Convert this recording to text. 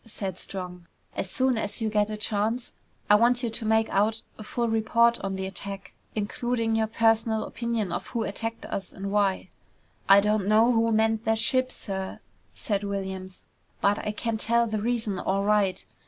said Strong. "As soon as you get a chance, I want you to make out a full report on the attack, including your personal opinion of who attacked us and why." "I don't know who manned that ship, sir," said Williams, "but I can tell the reason all right.